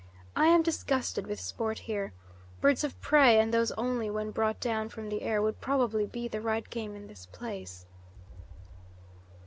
I am disgusted with sport here. Birds of prey, and those only when brought down from the air, would probably be the right game in this place."